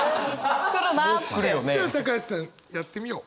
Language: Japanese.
さあ橋さんやってみよう。